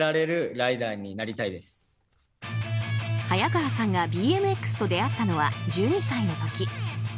早川さんがＢＭＸと出会ったのは１２歳の時。